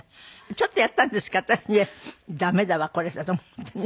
ちょっとやったんですけど私ね駄目だわこれと思ってね。